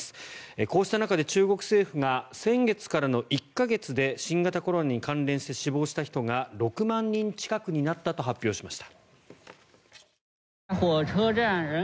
こうした中で、中国政府が先月からの１か月で新型コロナに関連して死亡した人が６万人近くになったと発表しました。